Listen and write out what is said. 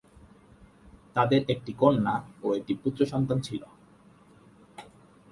তাদের একটি কন্যা ও একটি পুত্রসন্তান ছিল।